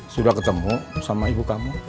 sudah ketemu sama ibu kamu